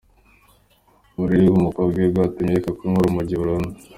Uburere bw'umukobwa we bwatumye areka kunywa urumogi burundu!!.